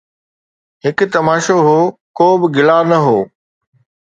هڪ تماشو هو، ڪو به گلا نه هو